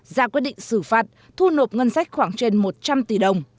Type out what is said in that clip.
ra quyết định xử phạt thu nộp ngân sách khoảng trên một trăm linh tỷ đồng